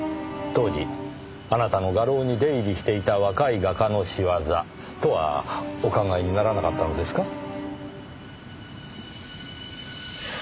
当時あなたの画廊に出入りしていた若い画家の仕業とはお考えにならなかったのですか？